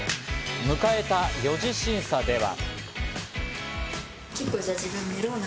迎えた４次審査では。